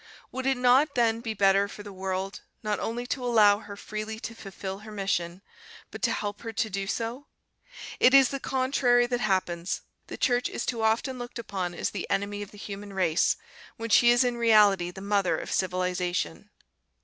Would it not then be better for the world, not only to allow her freely to fulfil her mission, but to help her to do so? It is the contrary that happens; the Church is too often looked upon as the enemy of the human race, when she is in reality the mother of civilization.